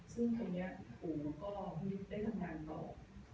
ซึ่งตอนนี้อู๋มก็ได้ทำงานแล้ว